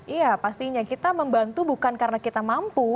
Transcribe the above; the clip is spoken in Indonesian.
iya pastinya kita membantu bukan karena kita mampu